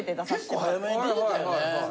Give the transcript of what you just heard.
結構早めに出てたよね。